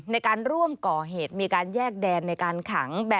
ในการร่วมก่อเหตุมีการแยกแดนในการขัง